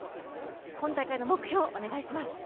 今大会の目標をお願いします。